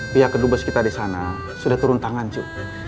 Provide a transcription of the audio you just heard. pihak kedubes kita di sana sudah turun tangan sih